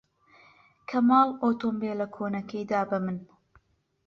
کەمال ئۆتۆمبێلە کۆنەکەی دا بە من.